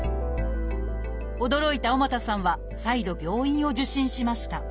驚いた尾又さんは再度病院を受診しました。